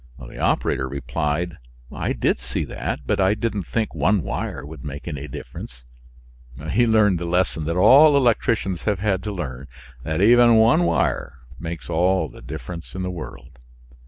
The operator replied, "I did see that, but I didn't think one wire would make any difference." He learned the lesson that all electricians have had to learn that even one wire makes all the difference in the world.